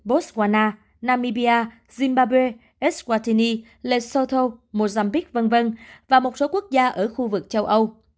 eswana namibia zimbabwe eswatini lesotho mozambique v v và một số quốc gia ở khu vực châu âu